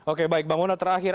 oke baik bang bona terakhir